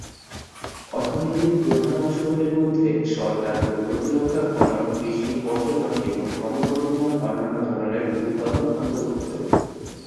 অর্থনীতির প্রধান অংশগুলির মধ্যে সরকার ও প্রতিরক্ষা, খনন, কৃষি, পর্যটন এবং ক্রমবর্ধমান অন্যান্য ধরনের উৎপাদন অন্তর্ভুক্ত।